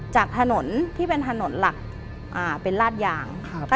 จากถนนที่เป็นถนนหลักอ่าเป็นราดยางครับ